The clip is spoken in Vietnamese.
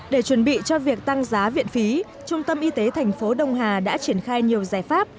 để chuẩn bị cho việc tăng giá viện phí trung tâm y tế thành phố đông hà đã triển khai nhiều giải pháp